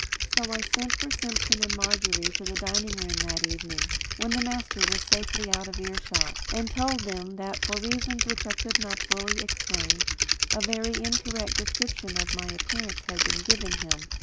So I sent for Simpson and Margery to the dining room that evening, when the master was safely out of ear shot, and told them that, for reasons which I could not fully explain, a very incorrect description of my appearance had been given him.